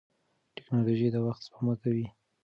ټیکنالوژي د وخت سپما کوي.